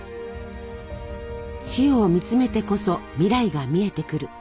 死を見つめてこそ未来が見えてくる。